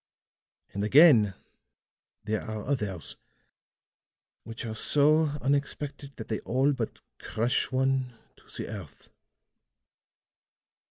And, again, there are others which are so unexpected that they all but crush one to the earth."